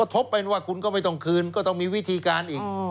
ทบเป็นว่าคุณก็ไม่ต้องคืนก็ต้องมีวิธีการอีก